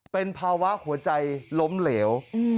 เป็นภาวะหัวใจล้มเหลว